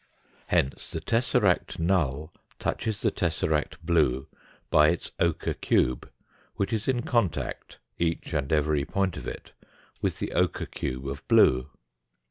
Hence the tesseract null touches the tesseract blue by its ochre cube, which is in contact, each and every point of it, with the ochre cube of blue.